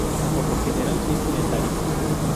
Por lo general es sedentario.